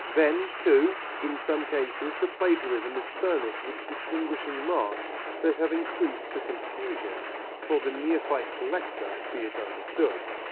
Then, too, in some cases the plagiarism is furnished with distinguishing marks that have increased the confusion for the neophyte collector, be it understood.